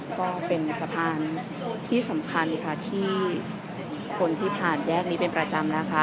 ก็เป็นสะพานที่สำคัญค่ะที่คนที่ผ่านแยกนี้เป็นประจำนะคะ